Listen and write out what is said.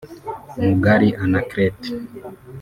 Mugali Anaclet